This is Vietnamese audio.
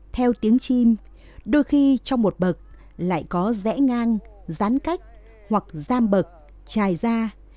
theo tiếng chim đôi khi trong một bậc lại có rẽ ngang rán cách hoặc giam bậc trài ra